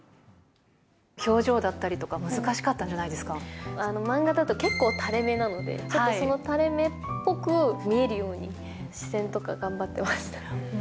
表情だったりとか、漫画だと結構たれ目なので、ちょっとそのたれ目っぽく見えるように、視線とか頑張ってました。